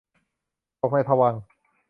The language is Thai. ตกอยู่ในภวังค์